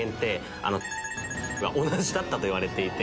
だったといわれていて。